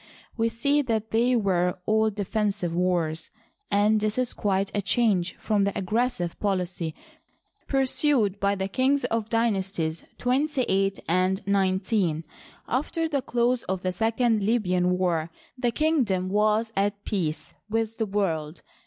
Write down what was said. We see that they were all defensive wars ; and this is quite a change from the aggressive policy pur sued by the kings of Dynasties XVIII and XIX. After the close of the second Libyan war, the kingdom was at peace with the world.